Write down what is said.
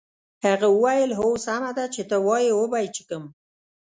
هغه وویل هو سمه ده چې ته وایې وبه یې څښم.